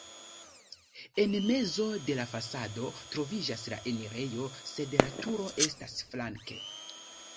En mezo de la fasado troviĝas la enirejo, sed la turo estas flanke.